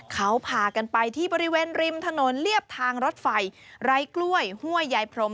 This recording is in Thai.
เขาพากันไปที่บริเวณริมถนนเรียบทางรถไฟไร้กล้วยห้วยยายพรม